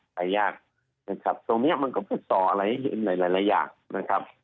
ไปยากนะครับตรงนี้มันก็เป็นต่ออะไรให้เห็นในหลายอย่างนะครับ